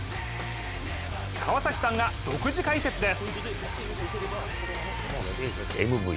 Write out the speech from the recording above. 川崎さんが独自解説です。